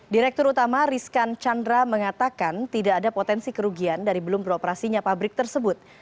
direktur utama rizkan chandra mengatakan tidak ada potensi kerugian dari belum beroperasinya pabrik tersebut